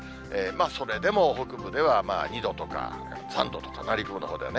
それでも北部では２度とか、３度とか、内陸部のほうではね。